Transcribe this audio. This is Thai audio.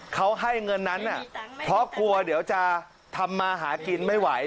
เขาให้เงินนั้นเพราะกลัวเดี๋ยวจะทำมาหากินไม่ไหว